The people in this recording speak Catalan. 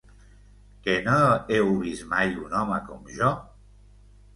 Que no heu vist mai un home com jo?